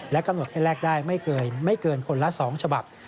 กำหนดให้แลกได้ไม่เกินคนละ๒ฉบับ